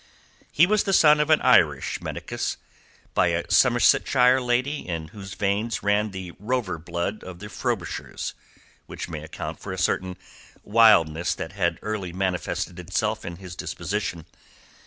He was the son of an Irish medicus, by a Somersetshire lady in whose veins ran the rover blood of the Frobishers, which may account for a certain wildness that had early manifested itself in his disposition.